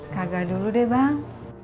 kagak dulu deh bang